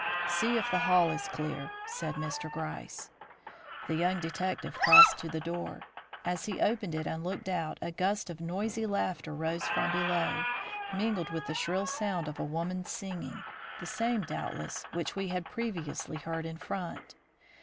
"See if the hall is clear," said Mr. Gryce. The young detective crossed to the door. As he opened it and looked out, a gust of noisy laughter rose from below, mingled with the shrill sound of a woman's singing, the same, doubtless, which we had previously heard in front.